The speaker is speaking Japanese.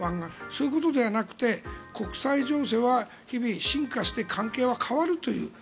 そういうことではなくて国際情勢は日々進化して関係は変わるという。